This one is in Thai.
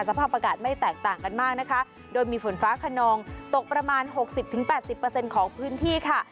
สภาพอากาศไม่แตกต่างกันมากนะคะโดยมีฝนฟ้าขนองตกประมาณหกสิบถึงแปดสิบเปอร์เซ็นต์ของพื้นที่ค่ะ